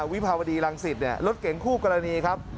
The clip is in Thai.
วิภาวดีรังสิตรถเก๋งคู่กรณีครับ